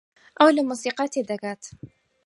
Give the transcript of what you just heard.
ئەو لە مۆسیقا تێدەگات.